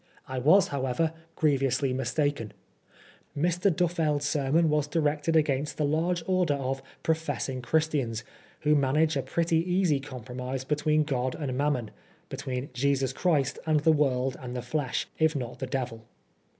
I was, however, greviously mistaken. Mr. Duffeld's sermon was directed against the large order of "professing Christians," who manage a pretty easy compromise be tween God and Mammon, between Jesus Christ and the world and the flesh, if not the Devil.